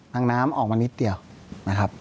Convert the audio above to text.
น้ำออกมานิดเดียวนะครับ